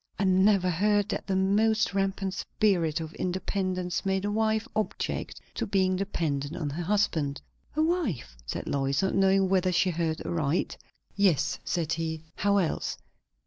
"I never heard that the most rampant spirit of independence made a wife object to being dependent on her husband." "A wife?" said Lois, not knowing whether she heard aright. "Yes," said he. "How else?